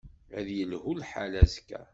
Ad yelhu lḥal azekka?